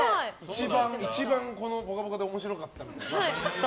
一番「ぽかぽか」で面白かったって。